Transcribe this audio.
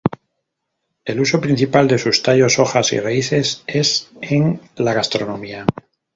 El uso principal de sus tallos, hojas, y raíces es en la gastronomía.